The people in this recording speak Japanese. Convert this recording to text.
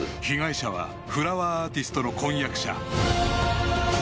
被害者はフラワーアーティストの婚約者